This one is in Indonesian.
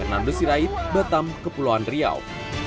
kenan dusirait batam kepulauan riau